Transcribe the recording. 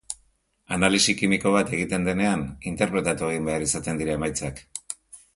Analisi kimiko bat egiten denean, interpretatu egin behar izaten dira emaitzak.